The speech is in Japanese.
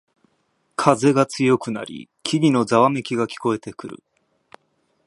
風が強くなり木々のざわめきが聞こえてくる